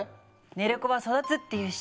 寝る子は育つっていうし。